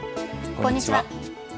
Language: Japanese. こんにちは。